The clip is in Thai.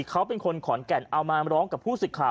เขาเป็นคนขอนแก่นเอามาร้องกับผู้สึกข่าว